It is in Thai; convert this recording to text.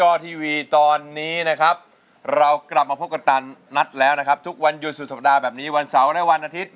ร้องได้ให้ล้านลูกทุ่งสู้ชีวิต